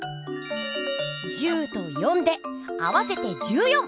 １０と４で合わせて１４！